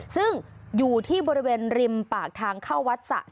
ซึ่งอยู่ที่บริเวณริมปากทางเข้าวัดสะ